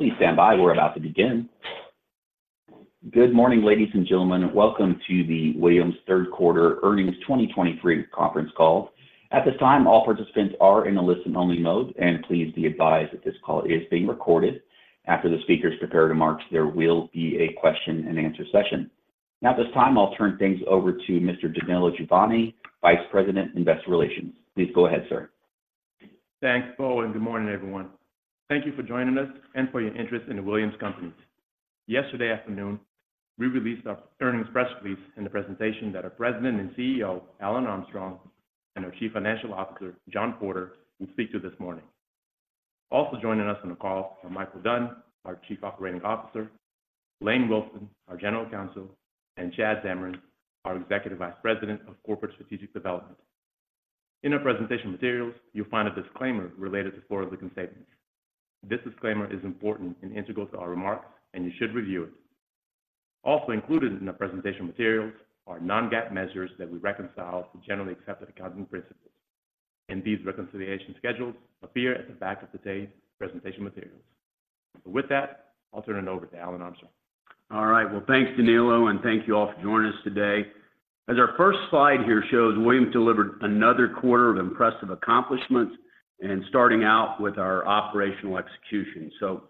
Please stand by. We're about to begin. Good morning, ladies and gentlemen, and welcome to the Williams Third Quarter Earnings 2023 Conference Call. At this time, all participants are in a listen-only mode, and please be advised that this call is being recorded. After the speakers prepare remarks, there will be a question-and-answer session. Now, at this time, I'll turn things over to Mr. Danilo Juvane, Vice President in Investor Relations. Please go ahead, sir. Thanks, Paul, and good morning, everyone. Thank you for joining us and for your interest in the Williams Companies. Yesterday afternoon, we released our earnings press release and the presentation that our President and CEO, Alan Armstrong, and our Chief Financial Officer, John Porter, will speak to this morning. Also joining us on the call are Michael Dunn, our Chief Operating Officer, Lane Wilson, our General Counsel, and Chad Zamarin, our Executive Vice President of Corporate Strategic Development. In our presentation materials, you'll find a disclaimer related to forward-looking statements. This disclaimer is important and integral to our remarks, and you should review it. Also included in the presentation materials are non-GAAP measures that we reconcile to generally accepted accounting principles. These reconciliation schedules appear at the back of today's presentation materials. With that, I'll turn it over to Alan Armstrong. All right, well, thanks, Danilo, and thank you all for joining us today. As our first slide here shows, Williams delivered another quarter of impressive accomplishments and starting out with our operational execution. So,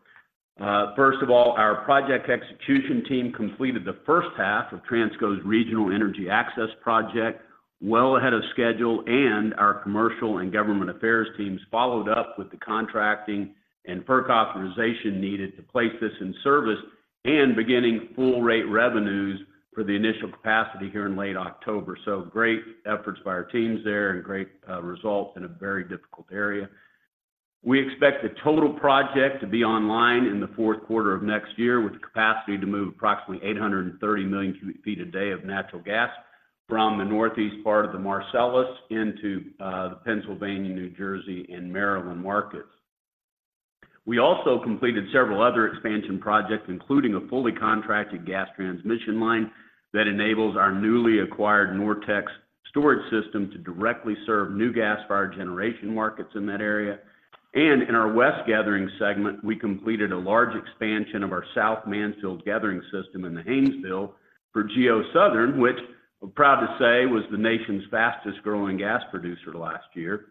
first of all, our project execution team completed the first half of Transco's Regional Energy Access Project well ahead of schedule, and our commercial and government affairs teams followed up with the contracting and FERC authorization needed to place this in service, and beginning full rate revenues for the initial capacity here in late October. So great efforts by our teams there and great, results in a very difficult area. We expect the total project to be online in the fourth quarter of next year, with capacity to move approximately 830 million cubic feet a day of natural gas from the northeast part of the Marcellus into the Pennsylvania, New Jersey, and Maryland markets. We also completed several other expansion projects, including a fully contracted gas transmission line that enables our newly acquired NorTex storage system to directly serve new gas-fired generation markets in that area. And in our West Gathering segment, we completed a large expansion of our South Mansfield Gathering System in the Haynesville for GeoSouthern, which I'm proud to say was the nation's fastest-growing gas producer last year.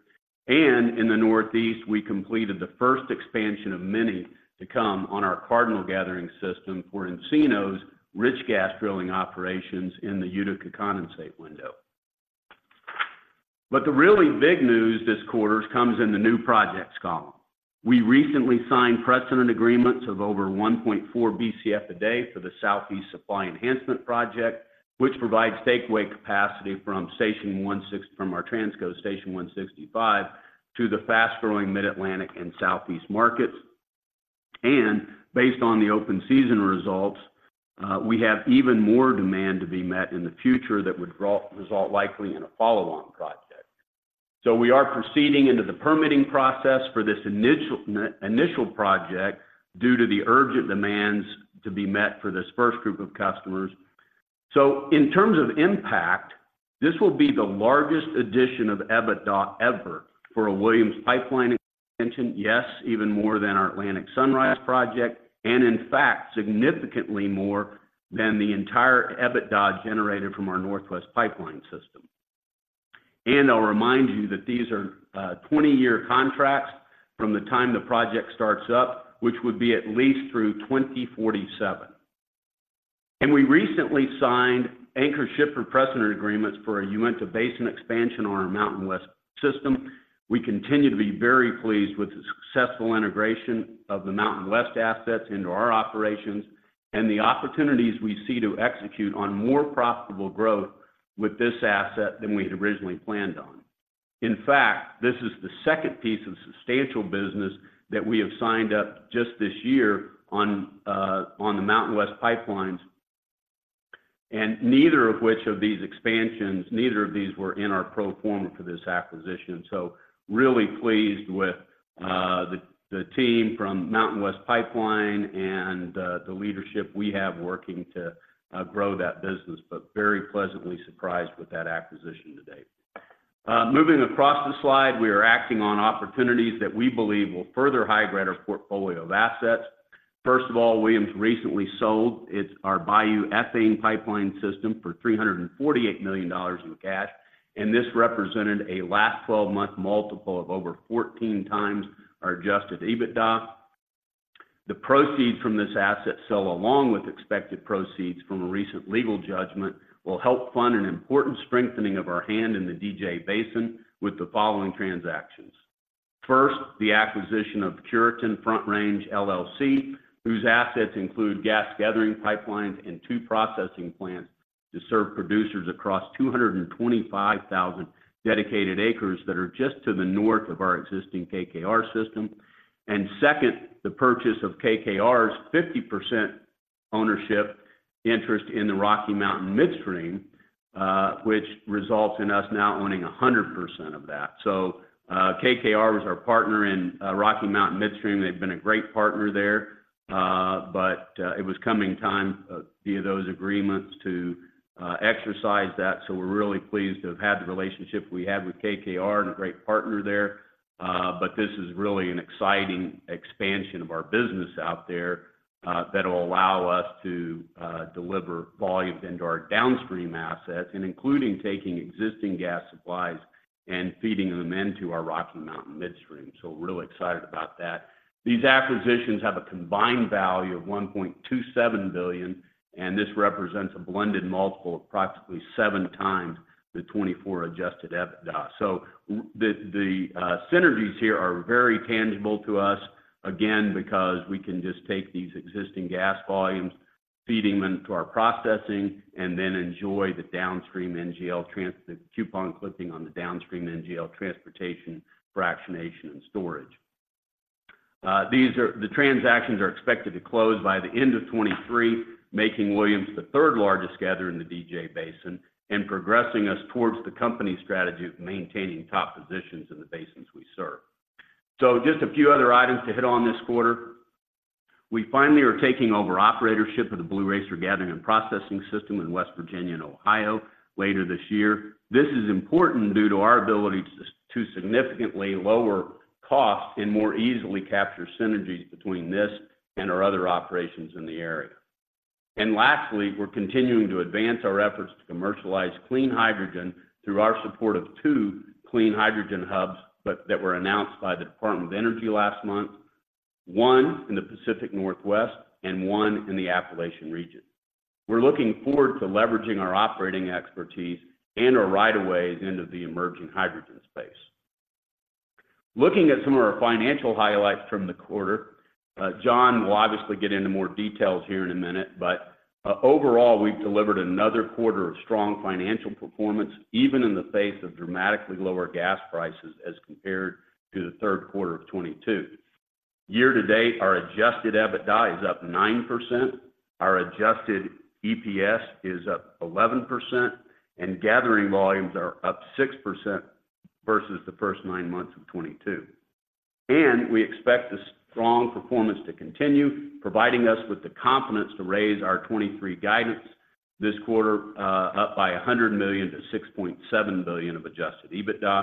And in the Northeast, we completed the first expansion of many to come on our Cardinal Gathering System for Encino's rich gas drilling operations in the Utica condensate window. But the really big news this quarter comes in the new projects column. We recently signed precedent agreements of over 1.4 BCF a day for the Southeast Supply Enhancement Project, which provides takeaway capacity from Station 165—from our Transco Station 165 to the fast-growing Mid-Atlantic and Southeast markets. And based on the open season results, we have even more demand to be met in the future that would result likely in a follow-on project. So we are proceeding into the permitting process for this initial, initial project due to the urgent demands to be met for this first group of customers. So in terms of impact, this will be the largest addition of EBITDA ever for a Williams Pipeline expansion. Yes, even more than our Atlantic Sunrise project, and in fact, significantly more than the entire EBITDA generated from our Northwest Pipeline system. I'll remind you that these are 20-year contracts from the time the project starts up, which would be at least through 2047. We recently signed anchor shipper for precedent agreements for a Uinta Basin expansion on our MountainWest system. We continue to be very pleased with the successful integration of the MountainWest assets into our operations and the opportunities we see to execute on more profitable growth with this asset than we had originally planned on. In fact, this is the second piece of substantial business that we have signed up just this year on the MountainWest pipelines, and neither of which of these expansions, neither of these were in our pro forma for this acquisition. So really pleased with the team from MountainWest Pipelines and the leadership we have working to grow that business, but very pleasantly surprised with that acquisition to date. Moving across the slide, we are acting on opportunities that we believe will further high-grade our portfolio of assets. First of all, Williams recently sold its, our Bayou Ethane Pipeline system for $348 million in cash, and this represented a last 12-month multiple of over 14x our Adjusted EBITDA. The proceeds from this asset sale, along with expected proceeds from a recent legal judgment, will help fund an important strengthening of our hand in the DJ Basin with the following transactions. First, the acquisition of Cureton Front Range, LLC, whose assets include gas gathering, pipelines, and two processing plants to serve producers across 225,000 dedicated acres that are just to the north of our existing KKR system. And second, the purchase of KKR's 50% ownership interest in the Rocky Mountain Midstream, which results in us now owning 100% of that. So, KKR was our partner in Rocky Mountain Midstream. They've been a great partner there, but it was coming time via those agreements to exercise that. So we're really pleased to have had the relationship we had with KKR and a great partner there.... But this is really an exciting expansion of our business out there, that will allow us to deliver volume into our downstream assets, and including taking existing gas supplies and feeding them into our Rocky Mountain Midstream. So we're really excited about that. These acquisitions have a combined value of $1.27 billion, and this represents a blended multiple of approximately 7x the 24 adjusted EBITDA. So the synergies here are very tangible to us, again, because we can just take these existing gas volumes, feeding them to our processing, and then enjoy the coupon clipping on the downstream NGL transportation, fractionation, and storage. These are the transactions are expected to close by the end of 2023, making Williams the third largest gatherer in the DJ Basin and progressing us towards the company's strategy of maintaining top positions in the basins we serve. So just a few other items to hit on this quarter. We finally are taking over operatorship of the Blue Racer Gathering and Processing System in West Virginia and Ohio later this year. This is important due to our ability to significantly lower costs and more easily capture synergies between this and our other operations in the area. And lastly, we're continuing to advance our efforts to commercialize clean hydrogen through our support of two clean hydrogen hubs, but that were announced by the Department of Energy last month, one in the Pacific Northwest and one in the Appalachian region. We're looking forward to leveraging our operating expertise and our right of way into the emerging hydrogen space. Looking at some of our financial highlights from the quarter, John will obviously get into more details here in a minute, but overall, we've delivered another quarter of strong financial performance, even in the face of dramatically lower gas prices as compared to the third quarter of 2022. Year to date, our Adjusted EBITDA is up 9%, our Adjusted EPS is up 11%, and gathering volumes are up 6% versus the first nine months of 2022. We expect this strong performance to continue, providing us with the confidence to raise our 2023 guidance this quarter, up by $100 million to $6.7 billion of Adjusted EBITDA.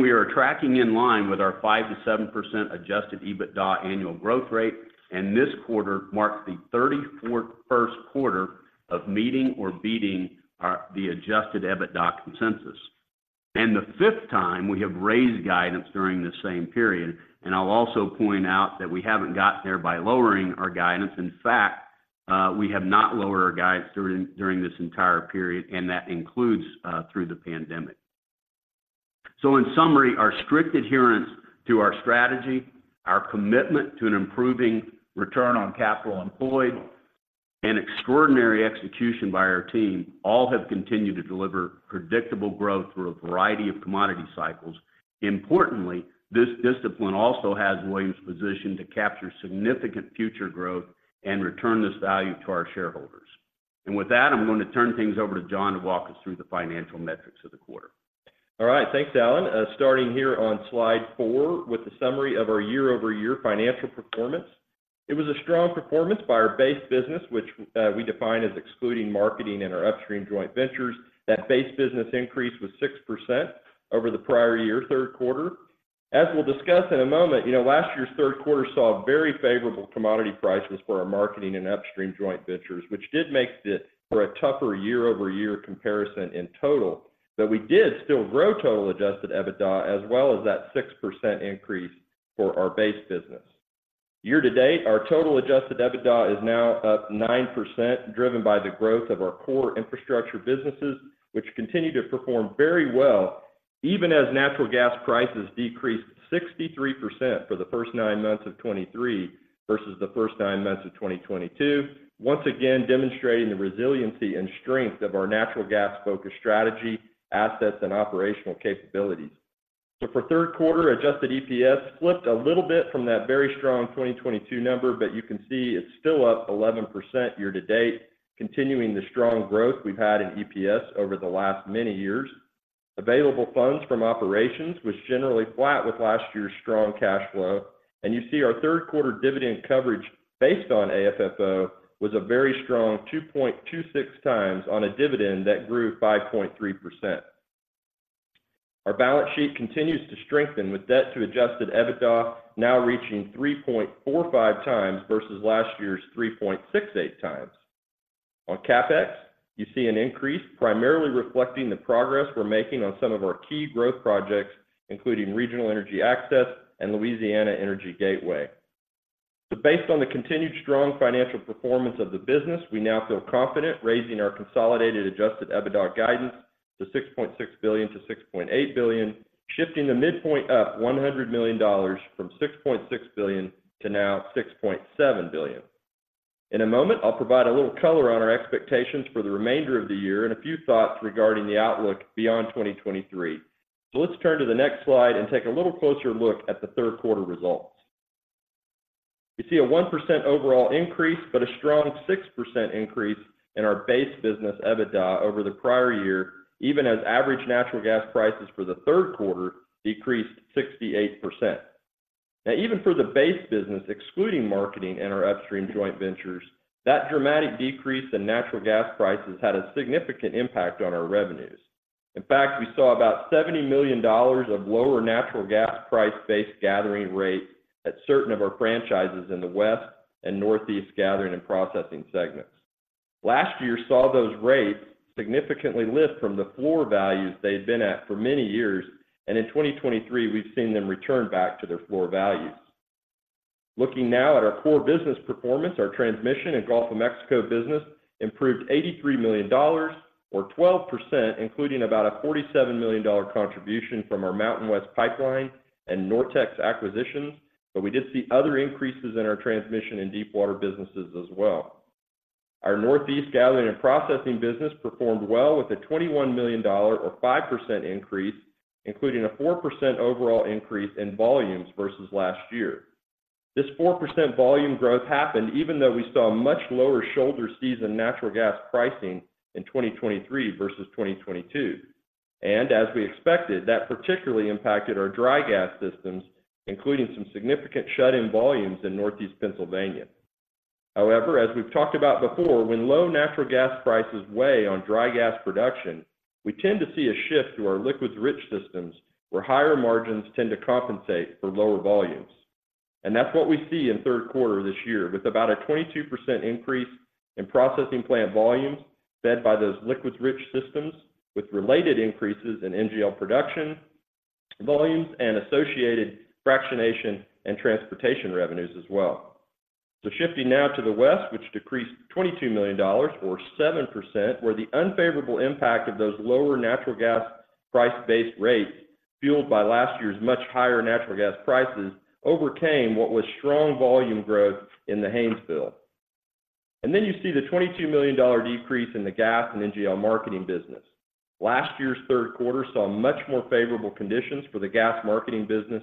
We are tracking in line with our 5%-7% Adjusted EBITDA annual growth rate, and this quarter marks the 34th first quarter of meeting or beating our Adjusted EBITDA consensus, and the fifth time we have raised guidance during the same period. I'll also point out that we haven't gotten there by lowering our guidance. In fact, we have not lowered our guidance during this entire period, and that includes through the pandemic. So in summary, our strict adherence to our strategy, our commitment to an improving return on capital employed, and extraordinary execution by our team, all have continued to deliver predictable growth through a variety of commodity cycles. Importantly, this discipline also has Williams positioned to capture significant future growth and return this value to our shareholders. With that, I'm going to turn things over to John to walk us through the financial metrics of the quarter. All right, thanks, Alan. Starting here on slide four with a summary of our year-over-year financial performance. It was a strong performance by our base business, which we define as excluding marketing and our upstream joint ventures. That base business increase was 6% over the prior year, third quarter. As we'll discuss in a moment, you know, last year's third quarter saw very favorable commodity prices for our marketing and upstream joint ventures, which did make it for a tougher year-over-year comparison in total. But we did still grow total Adjusted EBITDA, as well as that 6% increase for our base business. Year to date, our total Adjusted EBITDA is now up 9%, driven by the growth of our core infrastructure businesses, which continue to perform very well, even as natural gas prices decreased 63% for the first nine months of 2023 versus the first nine months of 2022. Once again, demonstrating the resiliency and strength of our natural gas-focused strategy, assets, and operational capabilities. So for third quarter, adjusted EPS flipped a little bit from that very strong 2022 number, but you can see it's still up 11% year to date, continuing the strong growth we've had in EPS over the last many years. Available funds from operations was generally flat with last year's strong cash flow, and you see our third quarter dividend coverage based on AFFO, was a very strong 2.26 times on a dividend that grew 5.3%. Our balance sheet continues to strengthen, with debt to Adjusted EBITDA now reaching 3.45 times versus last year's 3.68 times. On CapEx, you see an increase, primarily reflecting the progress we're making on some of our key growth projects, including Regional Energy Access and Louisiana Energy Gateway. Based on the continued strong financial performance of the business, we now feel confident raising our consolidated Adjusted EBITDA guidance to $6.6 billion-$6.8 billion, shifting the midpoint up $100 million from $6.6 billion to now $6.7 billion. In a moment, I'll provide a little color on our expectations for the remainder of the year and a few thoughts regarding the outlook beyond 2023. Let's turn to the next slide and take a little closer look at the third quarter results. You see a 1% overall increase, but a strong 6% increase in our base business EBITDA over the prior year, even as average natural gas prices for the third quarter decreased 68%.... Now, even for the base business, excluding marketing and our upstream joint ventures, that dramatic decrease in natural gas prices had a significant impact on our revenues. In fact, we saw about $70 million of lower natural gas price-based gathering rate at certain of our franchises in the West and Northeast Gathering and Processing segments. Last year saw those rates significantly lift from the floor values they'd been at for many years, and in 2023, we've seen them return back to their floor values. Looking now at our core business performance, our Transmission and Gulf of Mexico business improved $83 million or 12%, including about a $47 million contribution from our MountainWest Pipelines and NorTex acquisitions, but we did see other increases in our transmission and deepwater businesses as well. Our Northeast Gathering and Processing business performed well with a $21 million or 5% increase, including a 4% overall increase in volumes versus last year. This 4% volume growth happened even though we saw much lower shoulder season natural gas pricing in 2023 versus 2022. And as we expected, that particularly impacted our dry gas systems, including some significant shut-in volumes in Northeast Pennsylvania. However, as we've talked about before, when low natural gas prices weigh on dry gas production, we tend to see a shift to our liquids-rich systems, where higher margins tend to compensate for lower volumes. And that's what we see in third quarter this year, with about a 22% increase in processing plant volumes fed by those liquids-rich systems, with related increases in NGL production, volumes, and associated fractionation and transportation revenues as well. So shifting now to the West, which decreased $22 million or 7%, where the unfavorable impact of those lower natural gas price-based rates, fueled by last year's much higher natural gas prices, overcame what was strong volume growth in the Haynesville. And then you see the $22 million decrease in the gas and NGL marketing business. Last year's third quarter saw much more favorable conditions for the gas marketing business,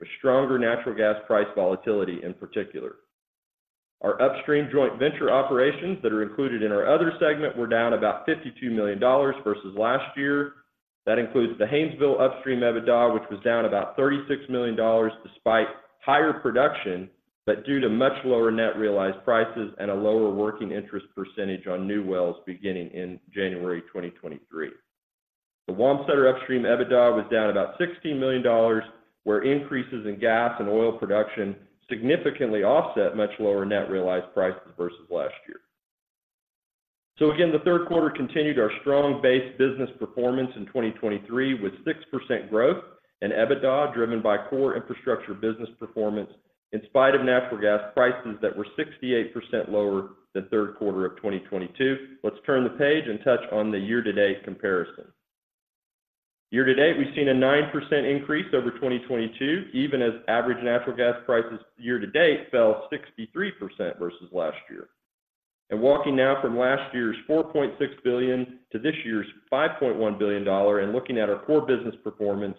with stronger natural gas price volatility, in particular. Our upstream joint venture operations that are included in our other segment were down about $52 million versus last year. That includes the Haynesville upstream EBITDA, which was down about $36 million despite higher production, but due to much lower net realized prices and a lower working interest percentage on new wells beginning in January 2023. The Wamsutter upstream EBITDA was down about $16 million, where increases in gas and oil production significantly offset much lower net realized prices versus last year. So again, the third quarter continued our strong base business performance in 2023, with 6% growth in EBITDA driven by core infrastructure business performance, in spite of natural gas prices that were 68% lower than third quarter of 2022. Let's turn the page and touch on the year-to-date comparison. Year to date, we've seen a 9% increase over 2022, even as average natural gas prices year to date fell 63% versus last year. Walking now from last year's $4.6 billion to this year's $5.1 billion and looking at our core business performance,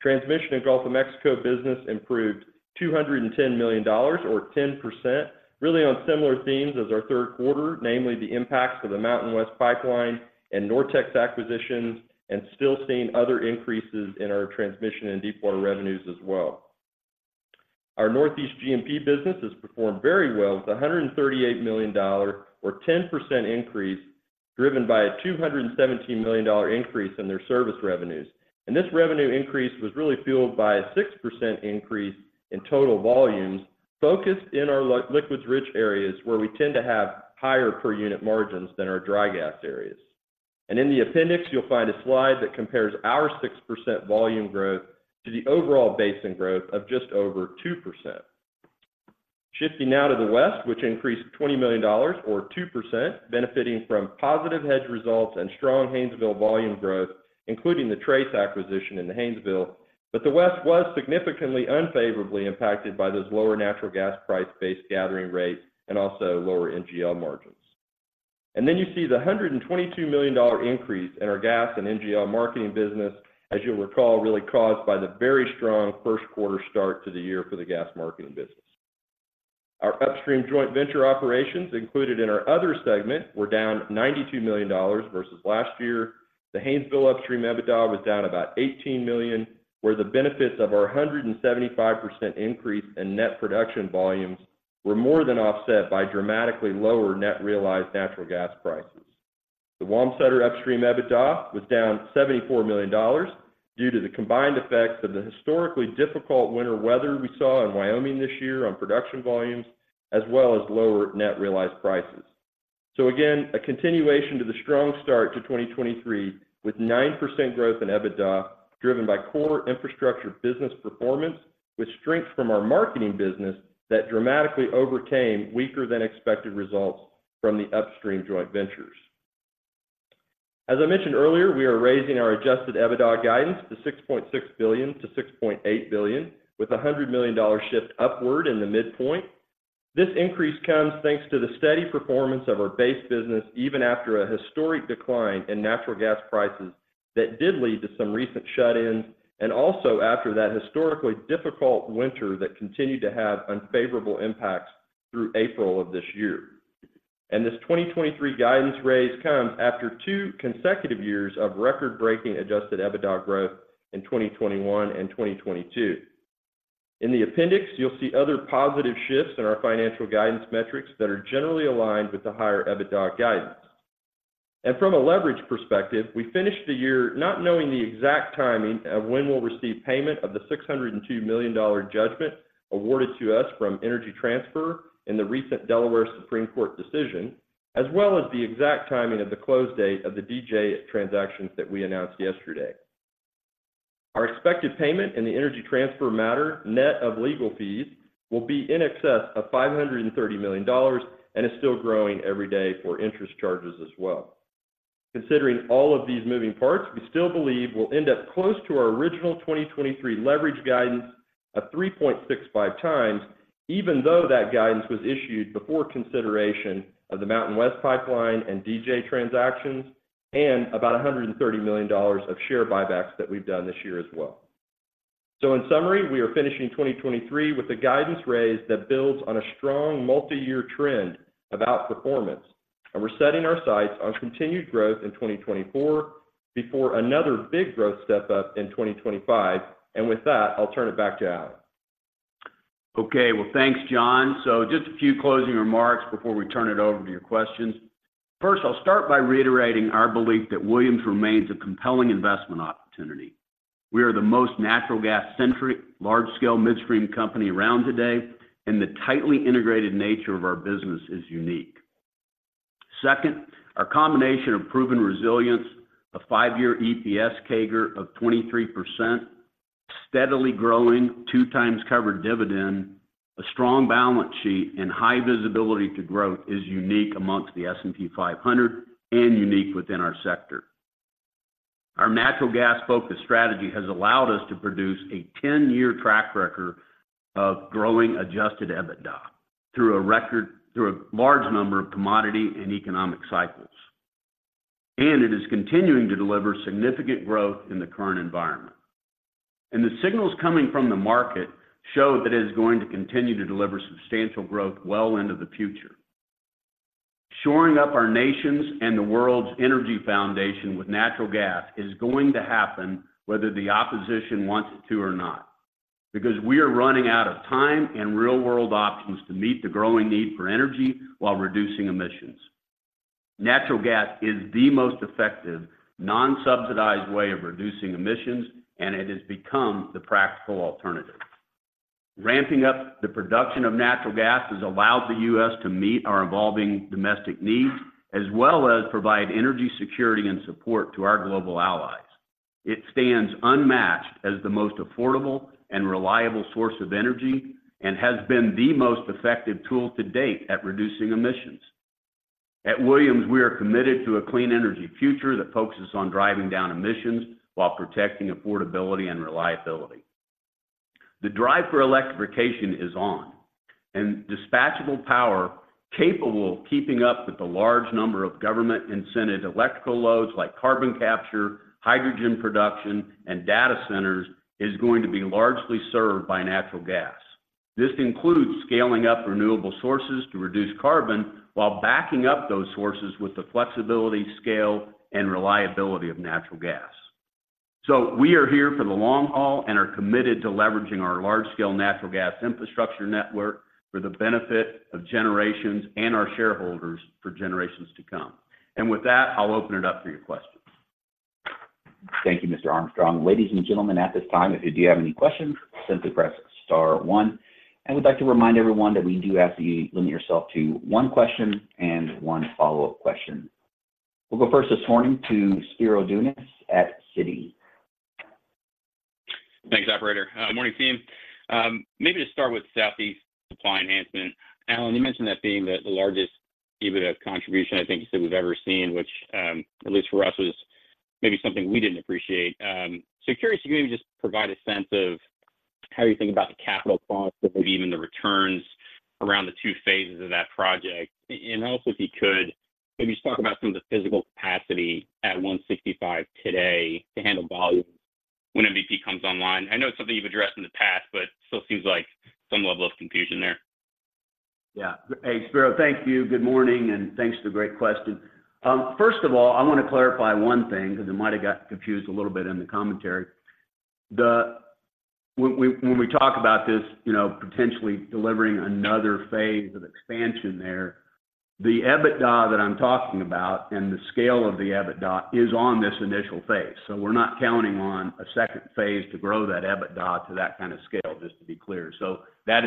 Transmission and Gulf of Mexico business improved $210 million or 10%, really on similar themes as our third quarter, namely the impacts of the MountainWest Pipelines and NorTex acquisitions, and still seeing other increases in our transmission and deepwater revenues as well. Our Northeast GMP business has performed very well with a $138 million or 10% increase, driven by a $217 million increase in their service revenues. This revenue increase was really fueled by a 6% increase in total volumes, focused in our liquids-rich areas, where we tend to have higher per-unit margins than our dry gas areas. And in the appendix, you'll find a slide that compares our 6% volume growth to the overall basin growth of just over 2%. Shifting now to the West, which increased $20 million or 2%, benefiting from positive hedge results and strong Haynesville volume growth, including the Trace acquisition in the Haynesville. But the West was significantly unfavorably impacted by those lower natural gas price-based gathering rates and also lower NGL margins. And then you see the $122 million dollar increase in our gas and NGL marketing business, as you'll recall, really caused by the very strong first quarter start to the year for the gas marketing business. Our upstream joint venture operations, included in our other segment, were down $92 million versus last year. The Haynesville upstream EBITDA was down about $18 million, where the benefits of our 175% increase in net production volumes were more than offset by dramatically lower net realized natural gas prices. The Wamsutter upstream EBITDA was down $74 million due to the combined effects of the historically difficult winter weather we saw in Wyoming this year on production volumes, as well as lower net realized prices. So again, a continuation to the strong start to 2023, with 9% growth in EBITDA, driven by core infrastructure business performance, with strength from our marketing business that dramatically overcame weaker than expected results from the upstream joint ventures. As I mentioned earlier, we are raising our adjusted EBITDA guidance to $6.6 billion-$6.8 billion, with a $100 million shift upward in the midpoint. This increase comes thanks to the steady performance of our base business, even after a historic decline in natural gas prices that did lead to some recent shut-ins, and also after that historically difficult winter that continued to have unfavorable impacts through April of this year. This 2023 guidance raise comes after two consecutive years of record-breaking Adjusted EBITDA growth in 2021 and 2022. In the appendix, you'll see other positive shifts in our financial guidance metrics that are generally aligned with the higher EBITDA guidance. From a leverage perspective, we finished the year not knowing the exact timing of when we'll receive payment of the $602 million judgment awarded to us from Energy Transfer in the recent Delaware Supreme Court decision, as well as the exact timing of the close date of the DJ transactions that we announced yesterday. Our expected payment in the Energy Transfer matter, net of legal fees, will be in excess of $530 million and is still growing every day for interest charges as well. Considering all of these moving parts, we still believe we'll end up close to our original 2023 leverage guidance of 3.65x, even though that guidance was issued before consideration of the MountainWest Pipelines and DJ transactions, and about $130 million of share buybacks that we've done this year as well. So in summary, we are finishing 2023 with a guidance raise that builds on a strong multi-year trend of outperformance, and we're setting our sights on continued growth in 2024 before another big growth step-up in 2025. And with that, I'll turn it back to Alan. Okay. Well, thanks, John. So just a few closing remarks before we turn it over to your questions. First, I'll start by reiterating our belief that Williams remains a compelling investment opportunity. We are the most natural gas-centric, large-scale midstream company around today, and the tightly integrated nature of our business is unique. Second, our combination of proven resilience, a five-year EPS CAGR of 23%, steadily growing, 2x covered dividend, a strong balance sheet, and high visibility to growth is unique amongst the S&P 500 and unique within our sector. Our natural gas-focused strategy has allowed us to produce a ten-year track record of growing adjusted EBITDA through a large number of commodity and economic cycles. And it is continuing to deliver significant growth in the current environment. The signals coming from the market show that it is going to continue to deliver substantial growth well into the future. Shoring up our nation's and the world's energy foundation with natural gas is going to happen whether the opposition wants it to or not, because we are running out of time and real-world options to meet the growing need for energy while reducing emissions. Natural gas is the most effective, non-subsidized way of reducing emissions, and it has become the practical alternative. Ramping up the production of natural gas has allowed the U.S. to meet our evolving domestic needs, as well as provide energy security and support to our global allies. It stands unmatched as the most affordable and reliable source of energy, and has been the most effective tool to date at reducing emissions. At Williams, we are committed to a clean energy future that focuses on driving down emissions while protecting affordability and reliability. The drive for electrification is on, and dispatchable power, capable of keeping up with the large number of government-incented electrical loads like carbon capture, hydrogen production, and data centers, is going to be largely served by natural gas. This includes scaling up renewable sources to reduce carbon, while backing up those sources with the flexibility, scale, and reliability of natural gas. So we are here for the long haul and are committed to leveraging our large-scale natural gas infrastructure network for the benefit of generations and our shareholders for generations to come. With that, I'll open it up for your questions. Thank you, Mr. Armstrong. Ladies and gentlemen, at this time, if you do have any questions, simply press star one. I would like to remind everyone that we do ask that you limit yourself to one question and one follow-up question. We'll go first this morning to Spiro Dounis at Citi. Thanks, operator. Good morning, team. Maybe just start with Southeast Supply Enhancement. Alan, you mentioned that being the largest EBITDA contribution, I think you said we've ever seen, which, at least for us, was maybe something we didn't appreciate. So curious, if you maybe just provide a sense of how you think about the capital costs, but maybe even the returns around the two phases of that project. And also, if you could, maybe just talk about some of the physical capacity at 165 today to handle volume when MVP comes online. I know it's something you've addressed in the past, but still seems like some level of confusion there. Yeah. Hey, Spiro, thank you. Good morning, and thanks for the great question. First of all, I want to clarify one thing because it might have got confused a little bit in the commentary. When we talk about this, you know, potentially delivering another phase of expansion there, the EBITDA that I'm talking about and the scale of the EBITDA is on this initial phase. So we're not counting on a second phase to grow that EBITDA to that kind of scale, just to be clear. So that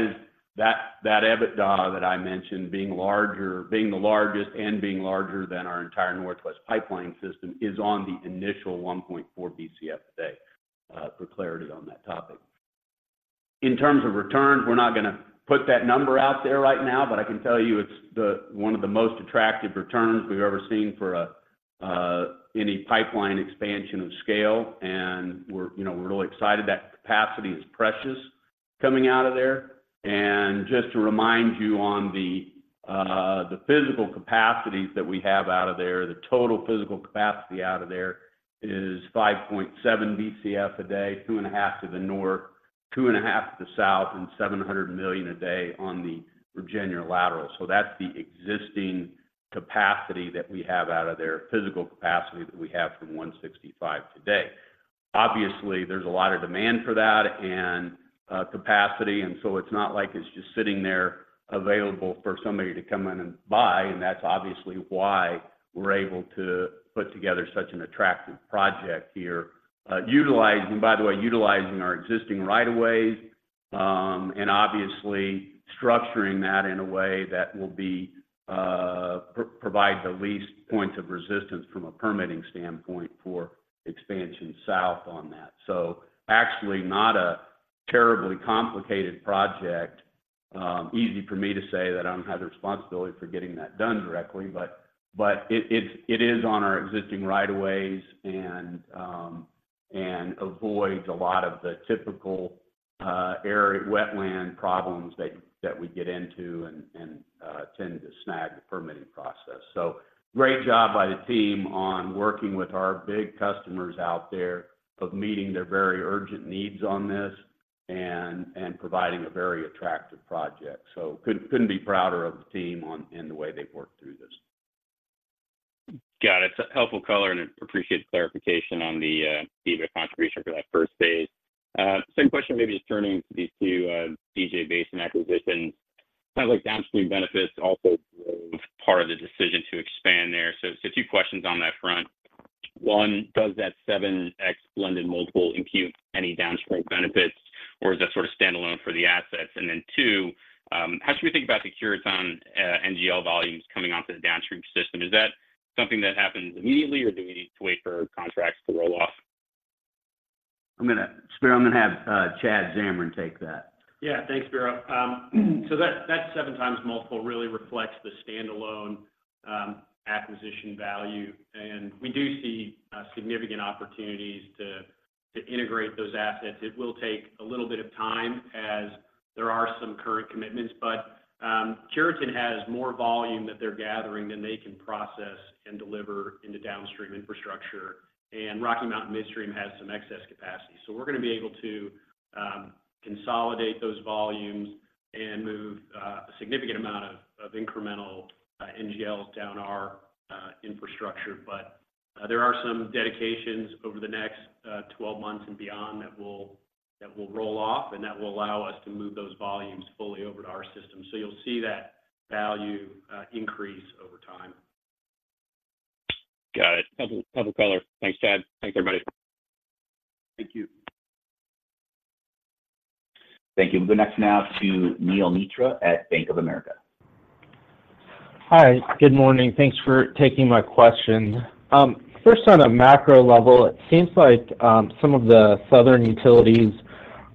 is that EBITDA that I mentioned, being larger, being the largest and being larger than our entire Northwest Pipeline system, is on the initial 1.4 BCF a day, for clarity on that topic. In terms of returns, we're not gonna put that number out there right now, but I can tell you it's the, one of the most attractive returns we've ever seen for a, any pipeline expansion of scale, and we're, you know, we're really excited. That capacity is precious coming out of there. Just to remind you on the, the physical capacities that we have out of there, the total physical capacity out of there is 5.7 BCF a day, 2.5 to the north.... 2.5 to the south, and 700 million a day on the Virginia lateral. So that's the existing capacity that we have out of there, physical capacity that we have from 165 today. Obviously, there's a lot of demand for that and capacity, and so it's not like it's just sitting there available for somebody to come in and buy, and that's obviously why we're able to put together such an attractive project here. By the way, utilizing our existing right of ways, and obviously structuring that in a way that will provide the least points of resistance from a permitting standpoint for expansion south on that. So actually, not a terribly complicated project. Easy for me to say that I don't have the responsibility for getting that done directly, but it is on our existing right of ways and avoids a lot of the typical wetland problems that we get into and tend to snag the permitting process. So, great job by the team on working with our big customers out there of meeting their very urgent needs on this and providing a very attractive project. So, couldn't be prouder of the team on in the way they've worked through this. Got it. It's a helpful color, and I appreciate the clarification on the, EBITDA contribution for that first phase. Same question, maybe just turning to these two, DJ Basin acquisitions. Kind of like downstream benefits, also part of the decision to expand there. So, so two questions on that front. One, does that 7x blended multiple impute any downstream benefits, or is that sort of standalone for the assets? And then two, how should we think about the Cureton, NGL volumes coming off the downstream system? Is that something that happens immediately, or do we need to wait for contracts to roll off? I'm gonna, Spiro, I'm gonna have Chad Zamarin take that. Yeah, thanks, Spiro. So that 7x multiple really reflects the standalone acquisition value, and we do see significant opportunities to integrate those assets. It will take a little bit of time, as there are some current commitments, but Cureton has more volume that they're gathering than they can process and deliver into downstream infrastructure, and Rocky Mountain Midstream has some excess capacity. So we're gonna be able to consolidate those volumes and move a significant amount of incremental NGLs down our infrastructure. But there are some dedications over the next 12 months and beyond that will roll off, and that will allow us to move those volumes fully over to our system. So you'll see that value increase over time. Got it. Helpful, helpful color. Thanks, Chad. Thanks, everybody. Thank you. Thank you. We'll go next now to Neil Mehta at Bank of America. Hi, good morning. Thanks for taking my question. First, on a macro level, it seems like some of the southern utilities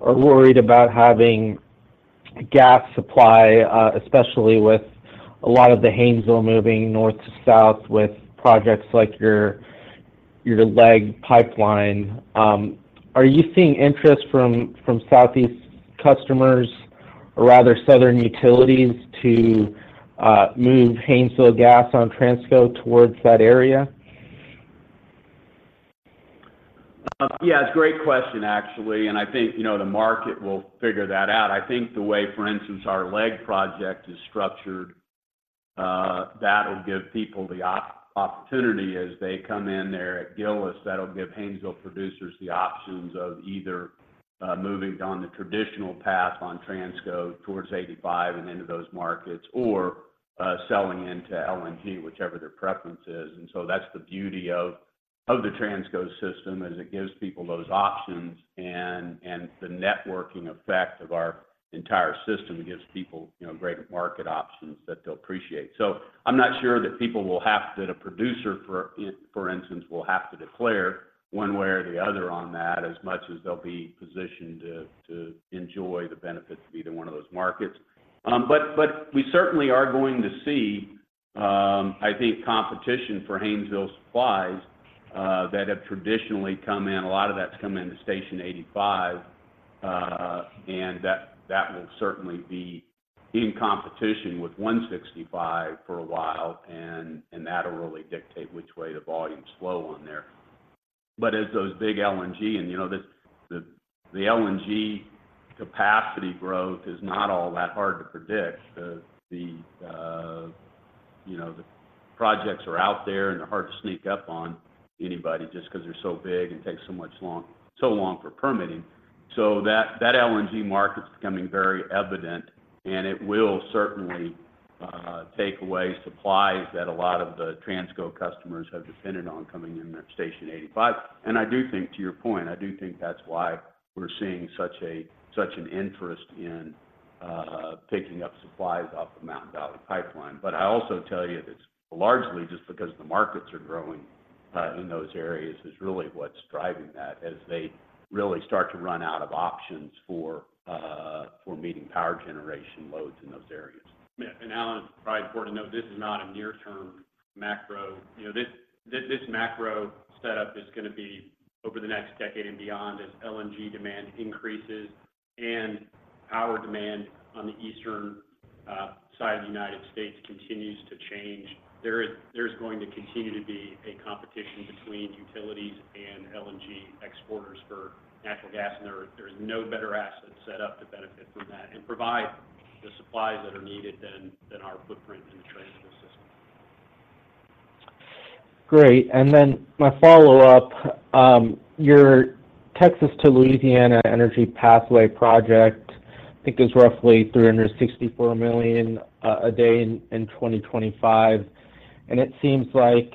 are worried about having gas supply, especially with a lot of the Haynesville moving north to south with projects like your LEG pipeline. Are you seeing interest from Southeast customers, or rather southern utilities to move Haynesville gas on Transco towards that area? Yeah, it's a great question, actually, and I think, you know, the market will figure that out. I think the way, for instance, our LEG project is structured, that'll give people the opportunity as they come in there at Gillis. That'll give Haynesville producers the options of either moving down the traditional path on Transco towards 85 and into those markets, or selling into LNG, whichever their preference is. And so that's the beauty of the Transco system, is it gives people those options, and the networking effect of our entire system gives people, you know, greater market options that they'll appreciate. So I'm not sure that people will have to, that a producer, for instance, will have to declare one way or the other on that, as much as they'll be positioned to enjoy the benefits of either one of those markets. But we certainly are going to see, I think, competition for Haynesville supplies that have traditionally come in. A lot of that's come into Station 85, and that will certainly be in competition with 165 for a while, and that'll really dictate which way the volumes flow on there. But as those big LNG, and you know, the LNG capacity growth is not all that hard to predict. The, you know, the projects are out there, and they're hard to sneak up on anybody just because they're so big and it takes so long for permitting. So that LNG market is becoming very evident, and it will certainly take away supplies that a lot of the Transco customers have depended on coming in at Station 85. And I do think, to your point, I do think that's why we're seeing such an interest in picking up supplies off the Mountain Valley Pipeline. But I also tell you that it's largely just because the markets are growing in those areas, is really what's driving that, as they really start to run out of options for meeting power generation loads in those areas. Yeah, and Alan, it's probably important to note, this is not a near-term macro. You know, this, this, this macro setup is gonna be over the next decade and beyond, as LNG demand increases and-... power demand on the eastern side of the United States continues to change. There's going to continue to be a competition between utilities and LNG exporters for natural gas, and there's no better asset set up to benefit from that and provide the supplies that are needed than our footprint in the Transco system. Great, and then my follow-up: your Texas to Louisiana Energy Pathway project, I think, is roughly 364 million a day in 2025. And it seems like,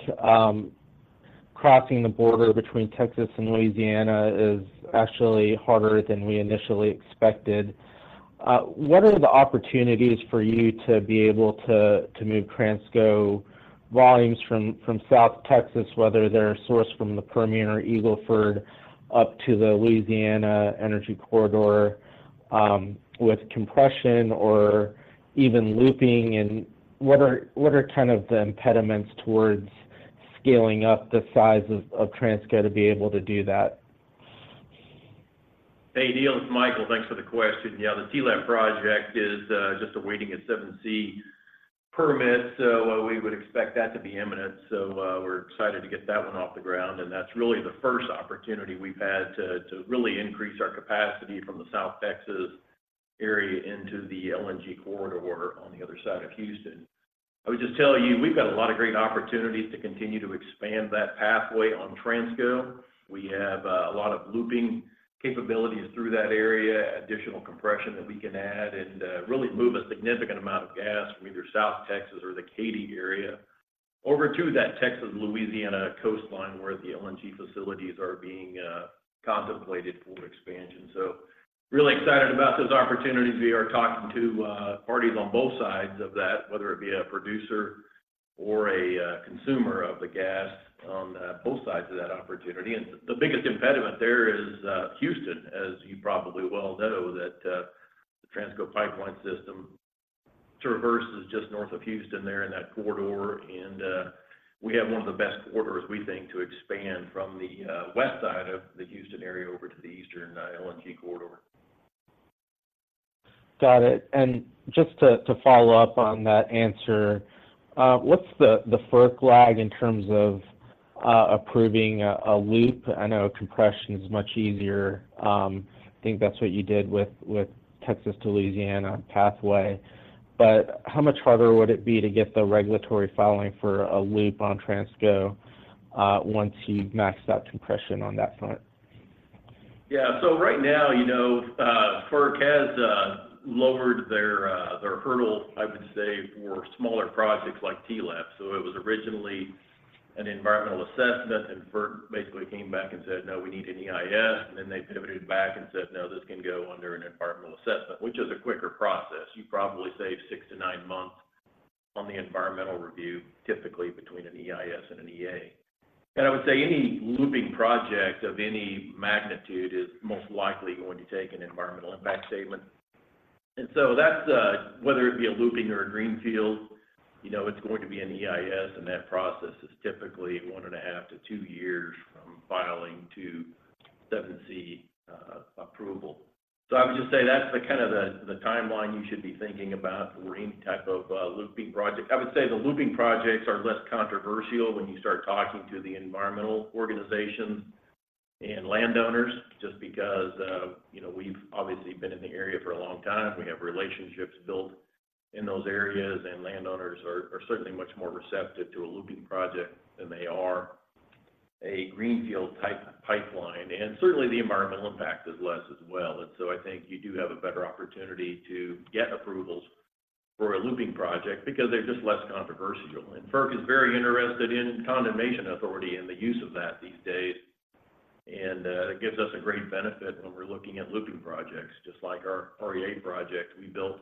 crossing the border between Texas and Louisiana is actually harder than we initially expected. What are the opportunities for you to be able to, to move Transco volumes from, from South Texas, whether they're sourced from the Permian or Eagle Ford, up to the Louisiana Energy Corridor, with compression or even looping? And what are, what are kind of the impediments towards scaling up the size of, of Transco to be able to do that? Hey, Neil, it's Michael. Thanks for the question. Yeah, the TLAP project is just awaiting a Section 7(c) permit, so we would expect that to be imminent. So, we're excited to get that one off the ground, and that's really the first opportunity we've had to really increase our capacity from the South Texas area into the LNG corridor on the other side of Houston. I would just tell you, we've got a lot of great opportunities to continue to expand that pathway on Transco. We have a lot of looping capabilities through that area, additional compression that we can add, and really move a significant amount of gas from either South Texas or the Katy area over to that Texas-Louisiana coastline, where the LNG facilities are being contemplated for expansion. So really excited about those opportunities. We are talking to parties on both sides of that, whether it be a producer or a consumer of the gas on both sides of that opportunity. And the biggest impediment there is Houston, as you probably well know, that the Transco pipeline system traverses just north of Houston there in that corridor, and we have one of the best corridors, we think, to expand from the west side of the Houston area over to the eastern LNG corridor. Got it. And just to follow up on that answer, what's the FERC lag in terms of approving a loop? I know compression is much easier. I think that's what you did with Texas to Louisiana pathway. But how much harder would it be to get the regulatory filing for a loop on Transco, once you've maxed that compression on that front? Yeah. So right now, you know, FERC has lowered their hurdle, I would say, for smaller projects like TLAP. So it was originally an Environmental Assessment, and FERC basically came back and said, "No, we need an EIS." And then they pivoted back and said, "No, this can go under an Environmental Assessment," which is a quicker process. You probably save 6-9 months on the environmental review, typically between an EIS and an EA. And I would say any looping project of any magnitude is most likely going to take an Environmental Impact Statement. And so that's whether it be a looping or a greenfield, you know, it's going to be an EIS, and that process is typically 1.5-2 years from filing to Section 7(c) approval. So I would just say that's the kind of timeline you should be thinking about for any type of looping project. I would say the looping projects are less controversial when you start talking to the environmental organizations and landowners, just because you know, we've obviously been in the area for a long time. We have relationships built in those areas, and landowners are certainly much more receptive to a looping project than they are a greenfield-type pipeline. And certainly, the environmental impact is less as well. And so I think you do have a better opportunity to get approvals for a looping project because they're just less controversial. And FERC is very interested in condemnation authority and the use of that these days, and it gives us a great benefit when we're looking at looping projects, just like our REA project. We built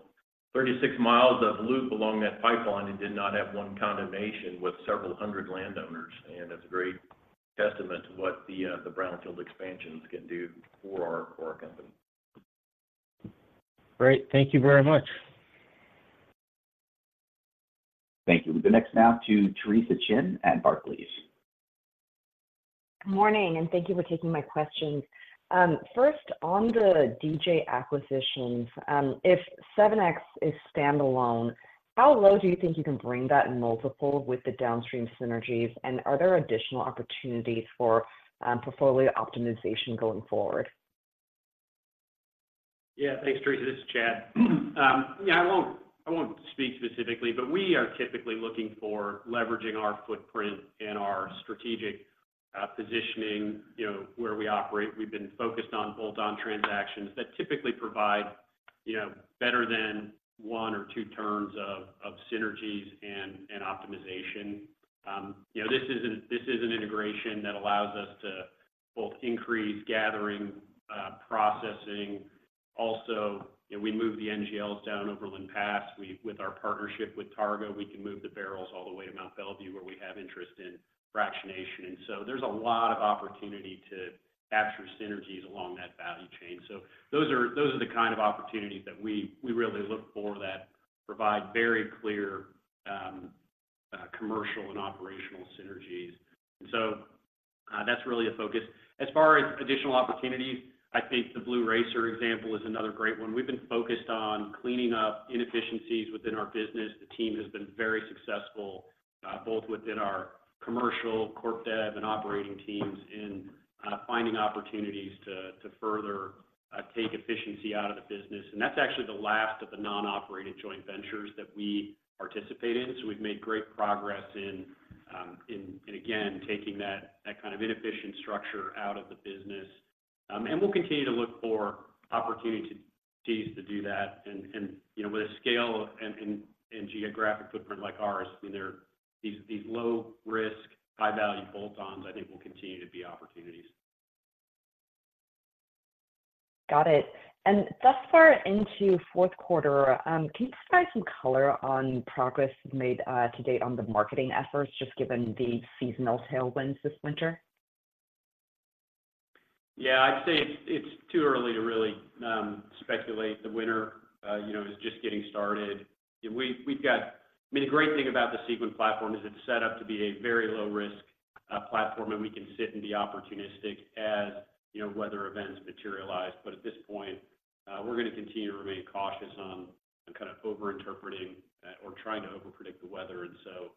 36 miles of loop along that pipeline and did not have one condemnation with several hundred landowners, and it's a great testament to what the brownfield expansions can do for our company. Great. Thank you very much. Thank you. The next, now to Theresa Chen at Barclays. Good morning, and thank you for taking my questions. First, on the DJ acquisitions, if 7x is standalone, how low do you think you can bring that multiple with the downstream synergies? Are there additional opportunities for portfolio optimization going forward? Yeah. Thanks, Theresa. This is Chad. Yeah, I won't speak specifically, but we are typically looking for leveraging our footprint and our strategic positioning, you know, where we operate. We've been focused on bolt-on transactions that typically provide, you know, better than one or two turns of synergies and optimization. You know, this is an integration that allows us to both increase gathering, processing. Also, you know, we move the NGLs down over Overland Pass. With our partnership with Targa, we can move the barrels all the way to Mont Belvieu, where we have interest in fractionation. And so there's a lot of opportunity to capture synergies along that value chain. So those are the kind of opportunities that we really look for that provide very clear-... commercial and operational synergies. So, that's really a focus. As far as additional opportunities, I think the Blue Racer example is another great one. We've been focused on cleaning up inefficiencies within our business. The team has been very successful, both within our commercial, corp dev, and operating teams in finding opportunities to further take efficiency out of the business. And that's actually the last of the non-operated joint ventures that we participate in. So we've made great progress in, and again, taking that kind of inefficient structure out of the business. And we'll continue to look for opportunities to do that, and you know, with a scale and geographic footprint like ours, I mean, there are these low risk, high value bolt-ons, I think will continue to be opportunities. Got it. Thus far into fourth quarter, can you provide some color on progress made to date on the marketing efforts, just given the seasonal tailwinds this winter? Yeah, I'd say it's too early to really speculate. The winter, you know, is just getting started. We've got—I mean, the great thing about the Sequent platform is it's set up to be a very low risk platform, and we can sit and be opportunistic as, you know, weather events materialize. But at this point, we're gonna continue to remain cautious on kind of overinterpreting or trying to overpredict the weather. And so,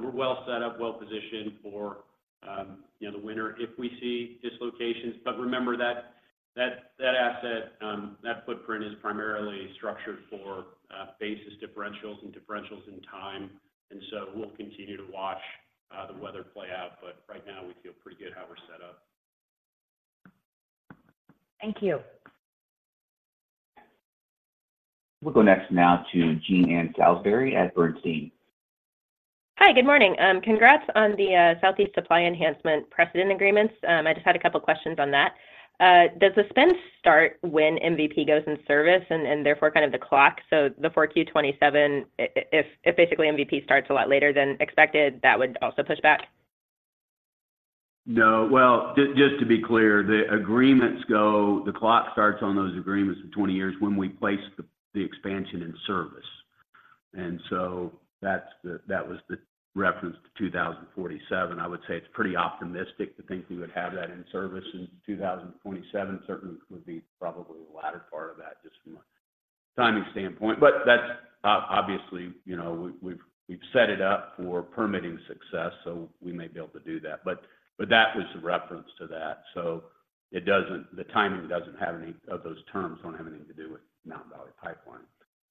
we're well set up, well positioned for, you know, the winter if we see dislocations. But remember that asset, that footprint is primarily structured for basis differentials and differentials in time, and so we'll continue to watch the weather play out, but right now we feel pretty good how we're set up. Thank you. We'll go next now to Jean Ann Salisbury at Bernstein. Hi, good morning. Congrats on the Southeast Supply Enhancement precedent agreements. I just had a couple of questions on that. Does the spend start when MVP goes in service and therefore kind of the clock? So the 4Q 2027, if basically MVP starts a lot later than expected, that would also push back? No. Well, just to be clear, the agreements go, the clock starts on those agreements for 20 years when we place the, the expansion in service. And so that's the, that was the reference to 2047. I would say it's pretty optimistic to think we would have that in service in 2027, certainly would be probably the latter part of that, just from a timing standpoint. But that's obviously, you know, we've set it up for permitting success, so we may be able to do that. But that was the reference to that. So it doesn't, the timing doesn't have any of those terms, don't have anything to do with Mountain Valley Pipeline.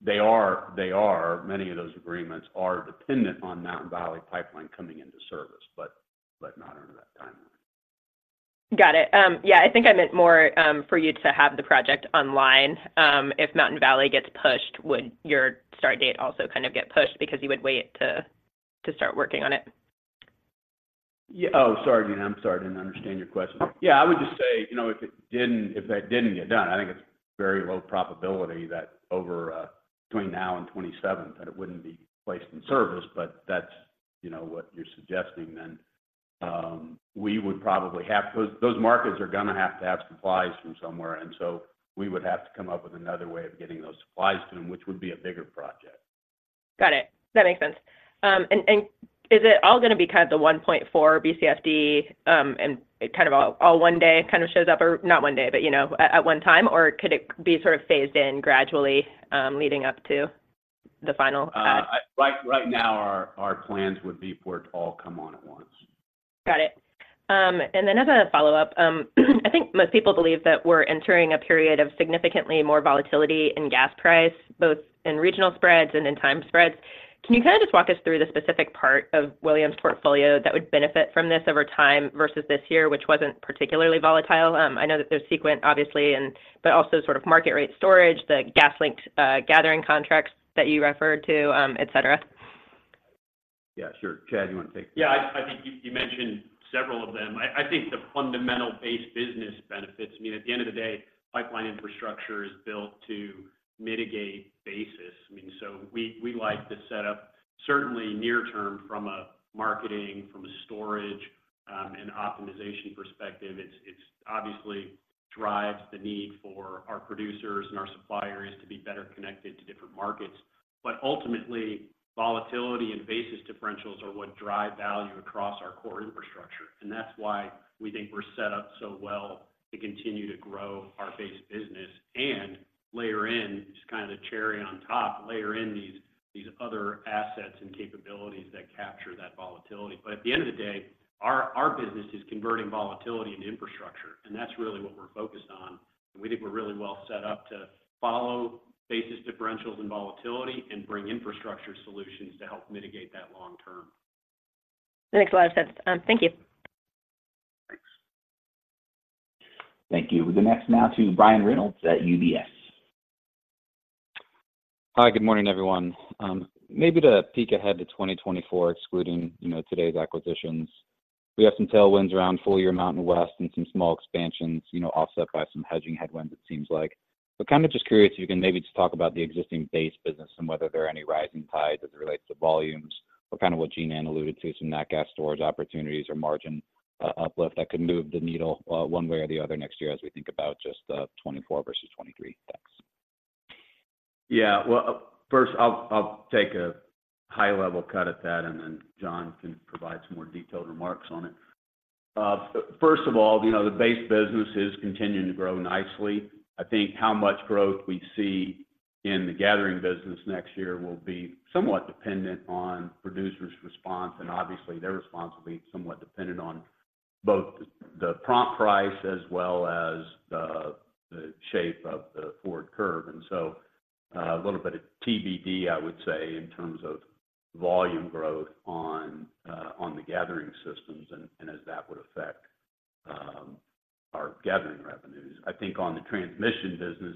They are, they are, many of those agreements are dependent on Mountain Valley Pipeline coming into service, but not under that timeline. Got it. Yeah, I think I meant more for you to have the project online. If Mountain Valley gets pushed, would your start date also kind of get pushed because you would wait to start working on it? Yeah. Oh, sorry, Jean. I'm sorry, I didn't understand your question. Yeah, I would just say, you know, if it didn't, if that didn't get done, I think it's very low probability that over, between now and 2070, that it wouldn't be placed in service, but that's, you know, what you're suggesting then. We would probably have-- those, those markets are gonna have to have supplies from somewhere, and so we would have to come up with another way of getting those supplies to them, which would be a bigger project. Got it. That makes sense. And is it all gonna be kind of the 1.4 BCFD, and it kind of all one day kind of shows up, or not one day, but you know, at one time, or could it be sort of phased in gradually leading up to the final? Right now, our plans would be for it to all come on at once. Got it. And then as a follow-up, I think most people believe that we're entering a period of significantly more volatility in gas price, both in regional spreads and in time spreads. Can you kind of just walk us through the specific part of Williams portfolio that would benefit from this over time versus this year, which wasn't particularly volatile? I know that there's Sequent, obviously, and, but also sort of market rate storage, the gas length, gathering contracts that you referred to, et cetera. Yeah, sure. Chad, you want to take this? Yeah, I think you mentioned several of them. I think the fundamental base business benefits. I mean, at the end of the day, pipeline infrastructure is built to mitigate basis. I mean, so we like the setup, certainly near term from a marketing, from a storage, and optimization perspective, it's obviously drives the need for our producers and our suppliers to be better connected to different markets. But ultimately, volatility and basis differentials are what drive value across our core infrastructure, and that's why we think we're set up so well to continue to grow our base business and layer in, just kinda cherry on top, layer in these other assets and capabilities that capture that volatility. But at the end of the day, our business is converting volatility into infrastructure, and that's really what we're focused on. We think we're really well set up to follow basis differentials and volatility and bring infrastructure solutions to help mitigate that long term. That makes a lot of sense. Thank you. Thanks. Thank you. The next now to Brian Reynolds at UBS. Hi, good morning, everyone. Maybe to peek ahead to 2024, excluding, you know, today's acquisitions, we have some tailwinds around full year MountainWest and some small expansions, you know, offset by some hedging headwinds, it seems like. But kind of just curious, you can maybe just talk about the existing base business and whether there are any rising tides as it relates to volumes, or kind of what Jean Ann alluded to, some nat gas storage opportunities or margin uplift that could move the needle one way or the other next year as we think about just 2024 versus 2023? Thanks. ... Yeah. Well, first I'll take a high-level cut at that, and then John can provide some more detailed remarks on it. First of all, you know, the base business is continuing to grow nicely. I think how much growth we see in the gathering business next year will be somewhat dependent on producers' response, and obviously, their response will be somewhat dependent on both the prompt price as well as the shape of the forward curve. And so, a little bit of TBD, I would say, in terms of volume growth on the gathering systems and as that would affect our gathering revenues. I think on the transmission business,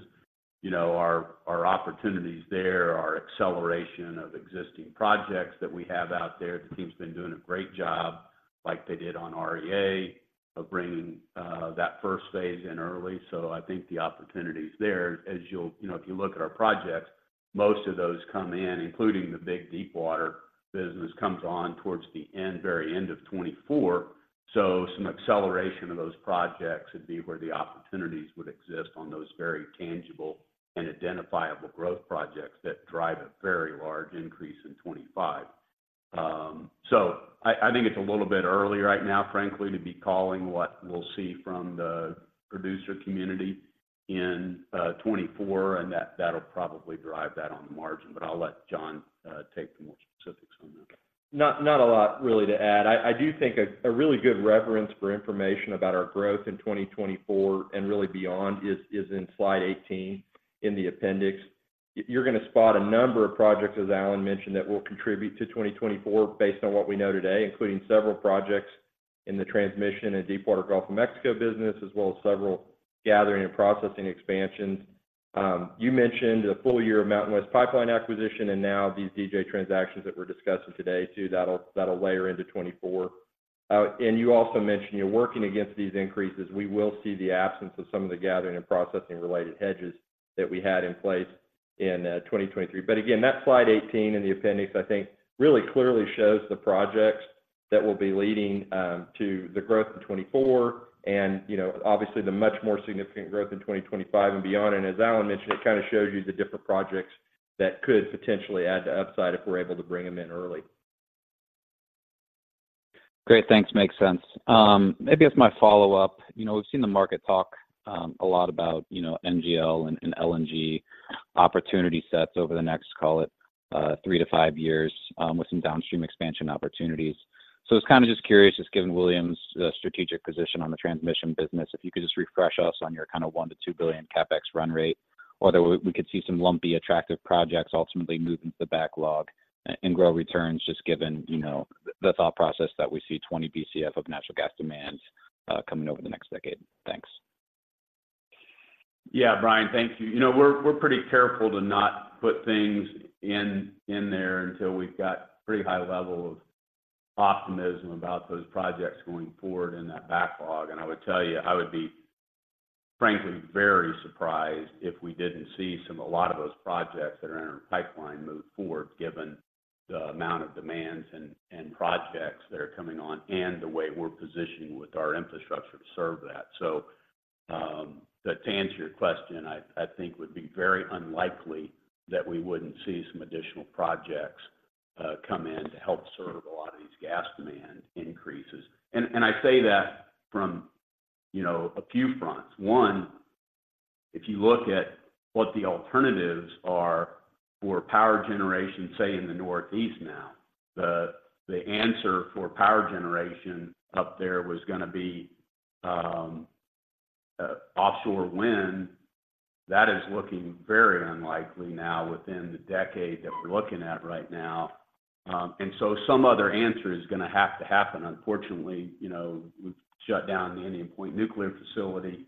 you know, our, our opportunities there, our acceleration of existing projects that we have out there, the team's been doing a great job, like they did on REA, of bringing that first phase in early. So I think the opportunity is there. As you'll, you know, if you look at our projects, most of those come in, including the big deepwater business, comes on towards the end, very end of 2024. So some acceleration of those projects would be where the opportunities would exist on those very tangible and identifiable growth projects that drive a very large increase in 2025. So I think it's a little bit early right now, frankly, to be calling what we'll see from the producer community in 2024, and that, that'll probably drive that on the margin. But I'll let John take the more specifics on that. Not a lot really to add. I do think a really good reference for information about our growth in 2024, and really beyond, is in slide 18 in the appendix. You're going to spot a number of projects, as Alan mentioned, that will contribute to 2024, based on what we know today, including several projects in the transmission and deepwater Gulf of Mexico business, as well as several gathering and processing expansions. You mentioned a full year of MountainWest Pipeline acquisition, and now these DJ transactions that we're discussing today, too, that'll layer into 2024. And you also mentioned you're working against these increases. We will see the absence of some of the gathering and processing-related hedges that we had in place in 2023. But again, that slide 18 in the appendix, I think, really clearly shows the projects that will be leading to the growth in 2024 and, you know, obviously, the much more significant growth in 2025 and beyond. And as Alan mentioned, it kind of shows you the different projects that could potentially add to upside if we're able to bring them in early. Great, thanks. Makes sense. Maybe as my follow-up, you know, we've seen the market talk a lot about, you know, NGL and LNG opportunity sets over the next, call it, 3-5 years, with some downstream expansion opportunities. So I was kind of just curious, just given Williams' strategic position on the transmission business, if you could just refresh us on your kind of $1-$2 billion CapEx run rate, whether we, we could see some lumpy, attractive projects ultimately move into the backlog and grow returns, just given, you know, the thought process that we see 20 BCF of natural gas demand coming over the next decade. Thanks. Yeah, Brian, thank you. You know, we're pretty careful to not put things in there until we've got pretty high level of optimism about those projects going forward in that backlog. And I would tell you, I would be, frankly, very surprised if we didn't see a lot of those projects that are in our pipeline move forward, given the amount of demands and projects that are coming on and the way we're positioning with our infrastructure to serve that. So, but to answer your question, I think would be very unlikely that we wouldn't see some additional projects come in to help serve a lot of these gas demand increases. And I say that from, you know, a few fronts. One, if you look at what the alternatives are for power generation, say, in the Northeast now, the answer for power generation up there was gonna be, offshore wind. That is looking very unlikely now within the decade that we're looking at right now. And so some other answer is gonna have to happen. Unfortunately, you know, we've shut down the Indian Point nuclear facility,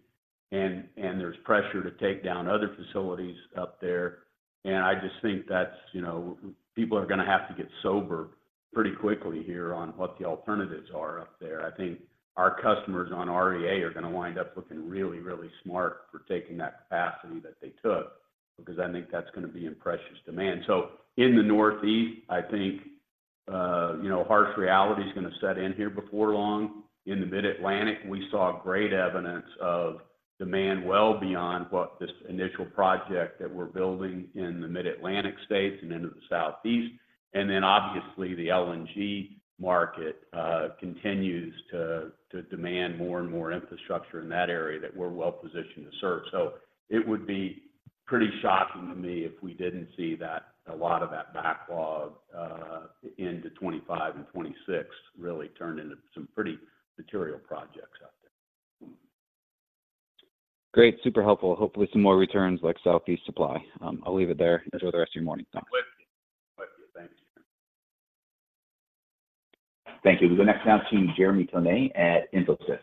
and there's pressure to take down other facilities up there. And I just think that's, you know, people are gonna have to get sober pretty quickly here on what the alternatives are up there. I think our customers on REA are gonna wind up looking really, really smart for taking that capacity that they took, because I think that's gonna be in precious demand. So in the Northeast, I think, you know, harsh reality is gonna set in here before long. In the Mid-Atlantic, we saw great evidence of demand well beyond what this initial project that we're building in the Mid-Atlantic states and into the Southeast. And then, obviously, the LNG market continues to demand more and more infrastructure in that area that we're well positioned to serve. So it would be pretty shocking to me if we didn't see that, a lot of that backlog into 2025 and 2026, really turn into some pretty material projects out there. Great, super helpful. Hopefully, some more returns like Southeast Supply. I'll leave it there. Enjoy the rest of your morning. Thanks. Thank you. Thank you. Thank you. We'll go next now to Jeremy Tonet at JPMorgan.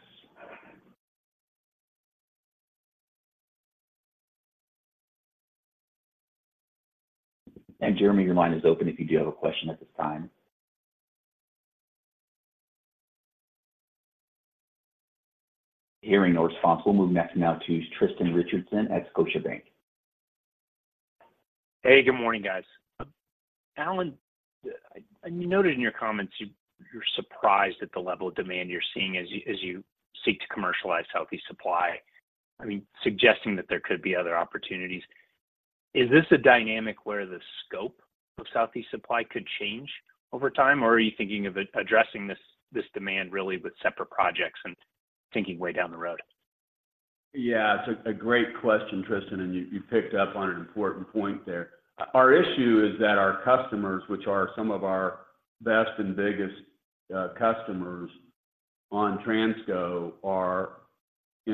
And Jeremy, your line is open if you do have a question at this time. Hearing no response, we'll move next now to Tristan Richardson at Scotiabank. Hey, good morning, guys. Alan?... You noted in your comments, you're surprised at the level of demand you're seeing as you seek to commercialize Southeast Supply. I mean, suggesting that there could be other opportunities. Is this a dynamic where the scope of Southeast Supply could change over time, or are you thinking of it addressing this demand really with separate projects and thinking way down the road? Yeah, it's a great question, Tristan, and you picked up on an important point there. Our issue is that our customers, which are some of our best and biggest customers on Transco, are—they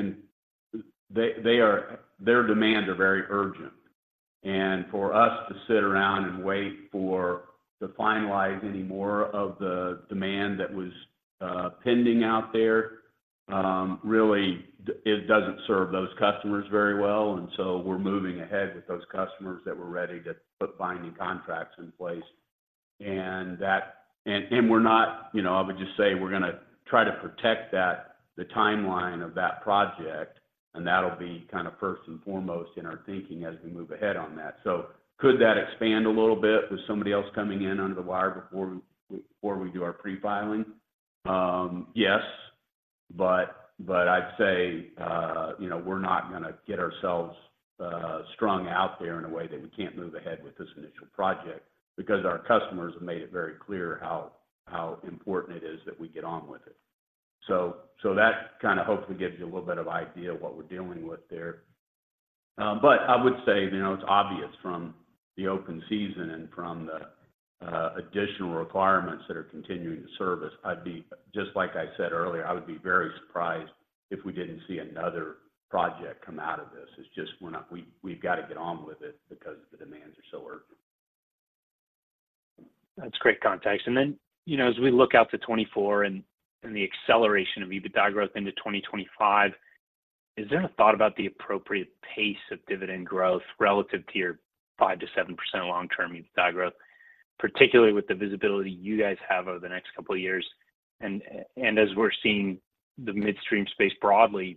are—their demand are very urgent. And for us to sit around and wait for to finalize any more of the demand that was pending out there, really, it doesn't serve those customers very well. And so we're moving ahead with those customers that were ready to put binding contracts in place. And that—and, and we're not... You know, I would just say we're gonna try to protect that, the timeline of that project, and that'll be kind of first and foremost in our thinking as we move ahead on that. So could that expand a little bit with somebody else coming in under the wire before we do our pre-filing? Yes, but I'd say, you know, we're not gonna get ourselves strung out there in a way that we can't move ahead with this initial project, because our customers have made it very clear how important it is that we get on with it. So that kind of hopefully gives you a little bit of idea of what we're dealing with there. But I would say, you know, it's obvious from the open season and from the additional requirements that are continuing to service, I'd be just like I said earlier, I would be very surprised if we didn't see another project come out of this. It's just we're not. We've got to get on with it because the demands are so urgent. That's great context. And then, you know, as we look out to 2024 and, and the acceleration of EBITDA growth into 2025, is there a thought about the appropriate pace of dividend growth relative to your 5%-7% long-term EBITDA growth, particularly with the visibility you guys have over the next couple of years, and, and as we're seeing the midstream space broadly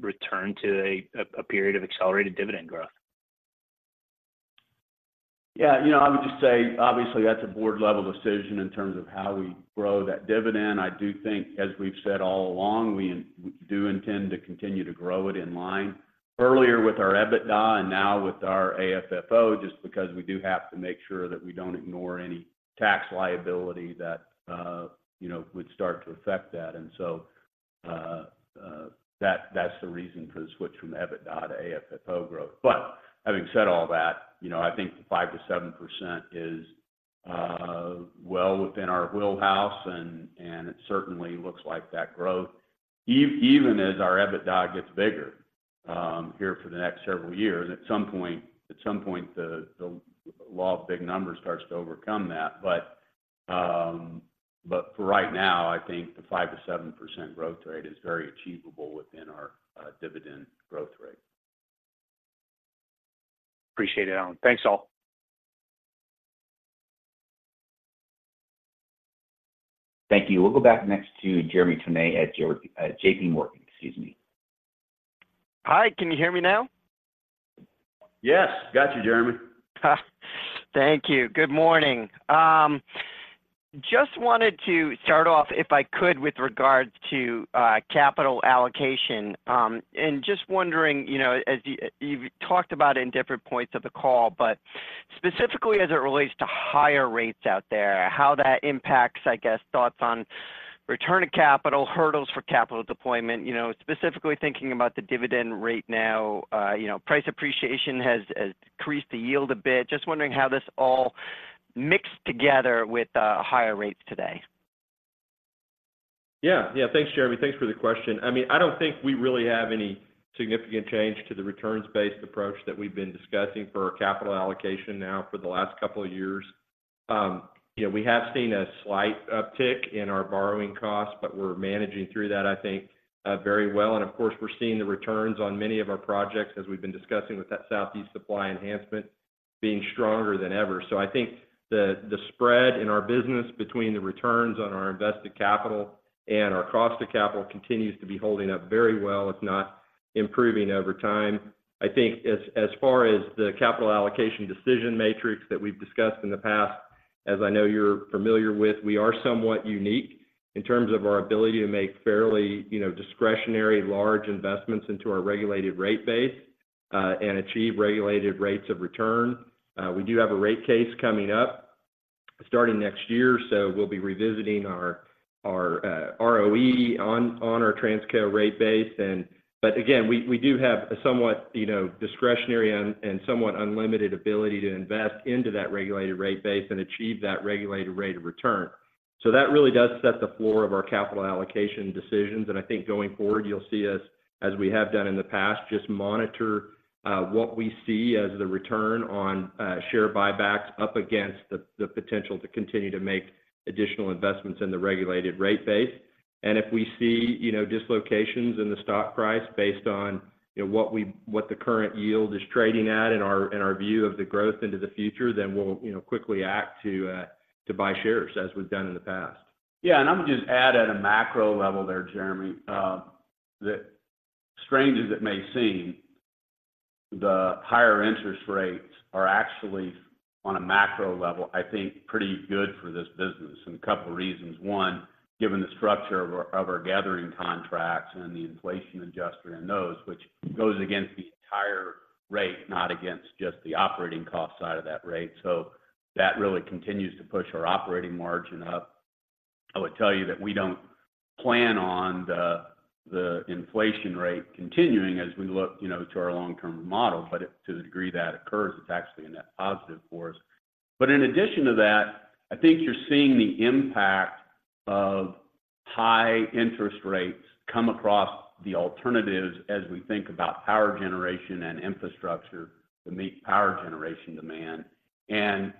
return to a, a period of accelerated dividend growth? Yeah. You know, I would just say, obviously, that's a board-level decision in terms of how we grow that dividend. I do think, as we've said all along, we do intend to continue to grow it in line. Earlier with our EBITDA and now with our AFFO, just because we do have to make sure that we don't ignore any tax liability that, you know, would start to affect that. And so, that, that's the reason for the switch from EBITDA to AFFO growth. But having said all that, you know, I think the 5%-7% is, well within our wheelhouse, and it certainly looks like that growth, even as our EBITDA gets bigger, here for the next several years. And at some point, at some point, the law of big numbers starts to overcome that. But for right now, I think the 5%-7% growth rate is very achievable within our dividend growth rate. Appreciate it, Alan. Thanks, all. Thank you. We'll go back next to Jeremy Tonet at JPMorgan. Excuse me. Hi, can you hear me now? Yes. Got you, Jeremy. Thank you. Good morning. Just wanted to start off, if I could, with regards to capital allocation. And just wondering, you know, as you've talked about it in different points of the call, but specifically as it relates to higher rates out there, how that impacts, I guess, thoughts on return of capital, hurdles for capital deployment. You know, specifically thinking about the dividend rate now, you know, price appreciation has decreased the yield a bit. Just wondering how this all mixed together with higher rates today. Yeah. Yeah. Thanks, Jeremy. Thanks for the question. I mean, I don't think we really have any significant change to the returns-based approach that we've been discussing for our capital allocation now for the last couple of years. You know, we have seen a slight uptick in our borrowing costs, but we're managing through that, I think, very well. And of course, we're seeing the returns on many of our projects, as we've been discussing with that Southeast Supply Enhancement being stronger than ever. So I think the, the spread in our business between the returns on our invested capital and our cost of capital continues to be holding up very well, if not improving over time. I think as far as the capital allocation decision matrix that we've discussed in the past, as I know you're familiar with, we are somewhat unique in terms of our ability to make fairly, you know, discretionary, large investments into our regulated rate base, and achieve regulated rates of return. We do have a rate case coming up starting next year, so we'll be revisiting our ROE on our Transco rate base. But again, we do have a somewhat, you know, discretionary and somewhat unlimited ability to invest into that regulated rate base and achieve that regulated rate of return. So that really does set the floor of our capital allocation decisions. And I think going forward, you'll see us, as we have done in the past, just monitor what we see as the return on share buybacks up against the potential to continue to make additional investments in the regulated rate base. And if we see, you know, dislocations in the stock price based on, you know, what the current yield is trading at and our view of the growth into the future, then we'll, you know, quickly act to buy shares, as we've done in the past. Yeah, and I'm going to just add at a macro level there, Jeremy, that strange as it may seem... The higher interest rates are actually on a macro level, I think, pretty good for this business, and a couple reasons. One, given the structure of our, of our gathering contracts and the inflation adjuster in those, which goes against the entire rate, not against just the operating cost side of that rate. So that really continues to push our operating margin up. I would tell you that we don't plan on the, the inflation rate continuing as we look, you know, to our long-term model, but if to the degree that occurs, it's actually a net positive for us. But in addition to that, I think you're seeing the impact of high interest rates come across the alternatives as we think about power generation and infrastructure to meet power generation demand. And,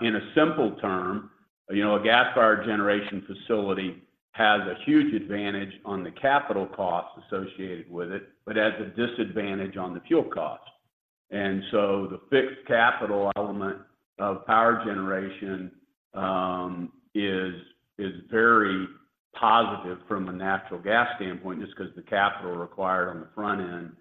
in a simple term, you know, a gas-fired generation facility has a huge advantage on the capital costs associated with it, but has a disadvantage on the fuel cost. And so the fixed capital element of power generation is very positive from a natural gas standpoint, just 'cause the capital required on the front end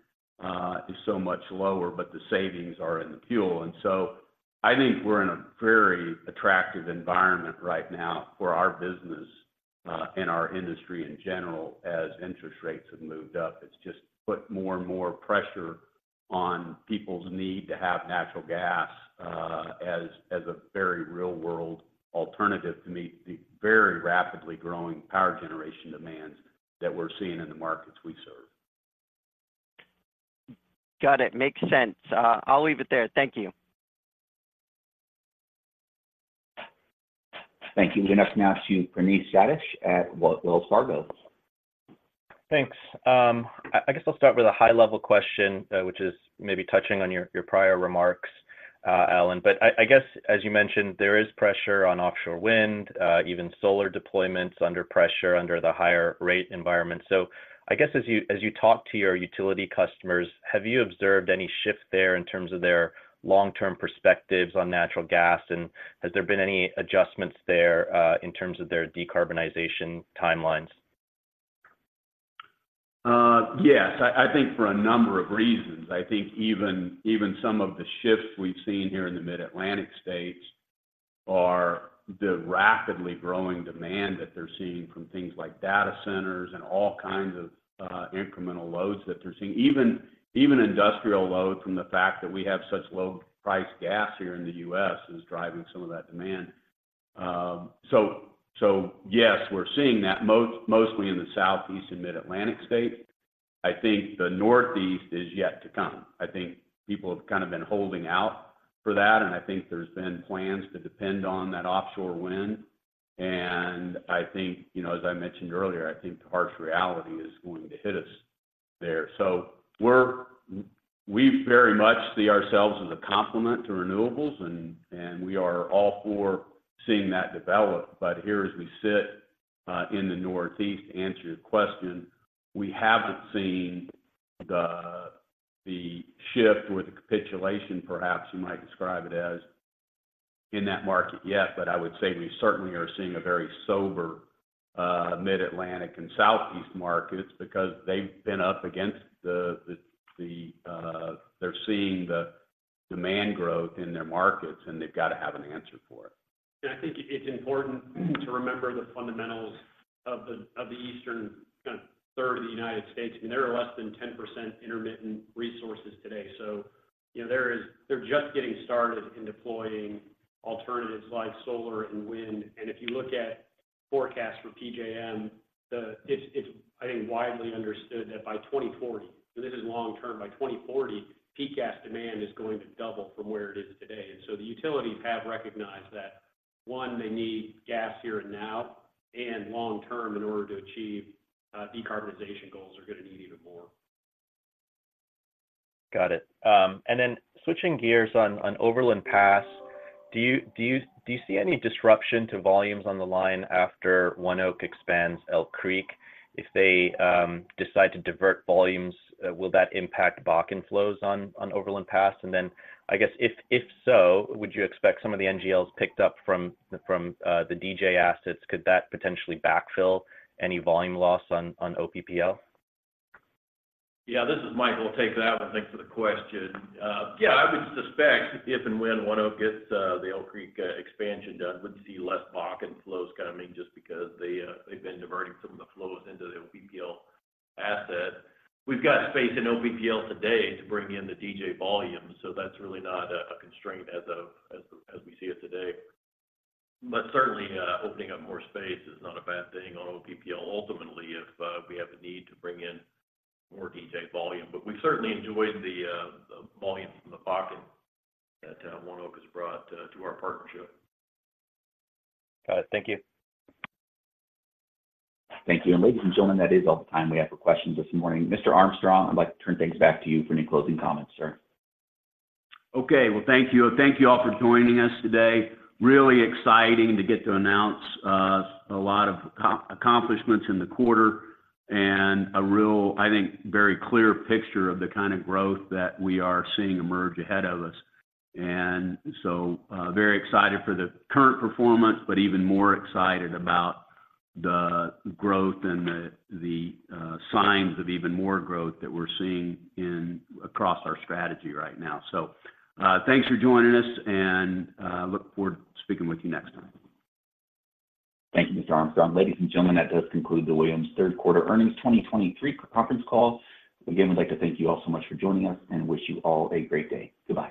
is so much lower, but the savings are in the fuel. And so I think we're in a very attractive environment right now for our business and our industry in general, as interest rates have moved up. It's just put more and more pressure on people's need to have natural gas as a very real-world alternative to meet the very rapidly growing power generation demands that we're seeing in the markets we serve. Got it. Makes sense. I'll leave it there. Thank you. Thank you. We'll go next now to Praneeth Satish at Wells Fargo. Thanks. I guess I'll start with a high-level question, which is maybe touching on your prior remarks, Alan. But I guess, as you mentioned, there is pressure on offshore wind, even solar deployments under pressure under the higher rate environment. So I guess as you talk to your utility customers, have you observed any shift there in terms of their long-term perspectives on natural gas? And has there been any adjustments there in terms of their decarbonization timelines? Yes, I think for a number of reasons. I think even some of the shifts we've seen here in the Mid-Atlantic states are the rapidly growing demand that they're seeing from things like data centers and all kinds of incremental loads that they're seeing. Even industrial load from the fact that we have such low-priced gas here in the U.S. is driving some of that demand. So yes, we're seeing that mostly in the Southeast and Mid-Atlantic states. I think the Northeast is yet to come. I think people have kinda been holding out for that, and I think there's been plans to depend on that offshore wind. And I think, you know, as I mentioned earlier, I think the harsh reality is going to hit us there. So we very much see ourselves as a complement to renewables, and we are all for seeing that develop. But here, as we sit in the Northeast, to answer your question, we haven't seen the shift or the capitulation, perhaps you might describe it as, in that market yet. But I would say we certainly are seeing a very sober Mid-Atlantic and Southeast markets because they've been up against the... They're seeing the demand growth in their markets, and they've got to have an answer for it. I think it's important to remember the fundamentals of the eastern kind of third of the United States. I mean, there are less than 10% intermittent resources today, so, you know, there is—they're just getting started in deploying alternatives like solar and wind. And if you look at forecasts for PJM, it's, I think, widely understood that by 2040, so this is long term, by 2040, peak gas demand is going to double from where it is today. And so the utilities have recognized that, one, they need gas here and now, and long term, in order to achieve decarbonization goals, are gonna need even more. Got it. And then switching gears on Overland Pass, do you see any disruption to volumes on the line after ONEOK expands Elk Creek? If they decide to divert volumes, will that impact Bakken flows on Overland Pass? And then, I guess, if so, would you expect some of the NGLs picked up from the DJ assets could that potentially backfill any volume loss on OPPL? Yeah, this is Mike. I'll take that one. Thanks for the question. Yeah, I would suspect if and when ONEOK gets the Elk Creek expansion done, we'd see less Bakken flows coming just because they've been diverting some of the flows into the OPPL asset. We've got space in OPPL today to bring in the DJ volume, so that's really not a constraint as we see it today. But certainly opening up more space is not a bad thing on OPPL ultimately, if we have a need to bring in more DJ volume. But we've certainly enjoyed the volumes from the Bakken that ONEOK has brought to our partnership. Got it. Thank you. Thank you. Ladies and gentlemen, that is all the time we have for questions this morning. Mr. Armstrong, I'd like to turn things back to you for any closing comments, sir. Okay. Well, thank you. Thank you all for joining us today. Really exciting to get to announce a lot of accomplishments in the quarter and a real, I think, very clear picture of the kind of growth that we are seeing emerge ahead of us. And so, very excited for the current performance, but even more excited about the growth and the signs of even more growth that we're seeing across our strategy right now. So, thanks for joining us, and look forward to speaking with you next time. Thank you, Mr. Armstrong. Ladies and gentlemen, that does conclude the Williams third quarter earnings 2023 conference call. Again, we'd like to thank you all so much for joining us and wish you all a great day. Goodbye.